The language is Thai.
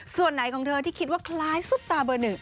ส่วนไหนของเธอที่คิดว่าคล้ายซุปตาเบอร์หนึ่ง